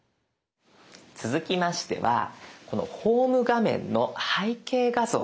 続きましてはこのホーム画面の背景画像